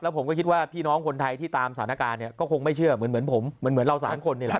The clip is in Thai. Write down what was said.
ผมก็คิดว่าพี่น้องคนไทยที่ตามสถานการณ์เนี่ยก็คงไม่เชื่อเหมือนผมเหมือนเราสามคนนี่แหละ